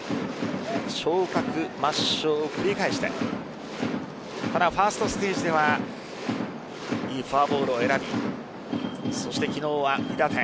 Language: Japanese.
昇格、末梢を繰り返してただ、ファーストステージではいいフォアボールを選びそして昨日は２打点。